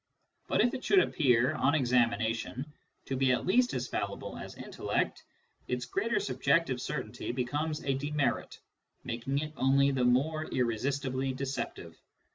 But if it should appear, on examination, to be at least as fallible as intellect, its greater subjective certainty becomes a demerit, making it only the more irresistibly deceptive.